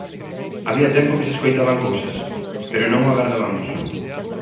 Había tempo que se escoitaban cousas, pero non o agardabamos.